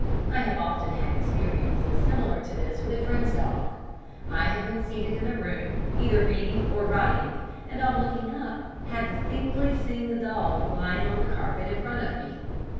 I have often had experiences similar to this with a friend's dog. I have been seated in a room, either reading or writing, and on looking up have distinctly seen the dog lying on the carpet in front of me.